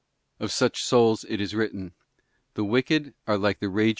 Of such souls is it written, 'The wicked are like the f) Il.